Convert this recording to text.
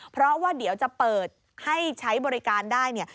เพราะว่าเดี๋ยวจะเปิดให้ใช้บริการได้เนี่ย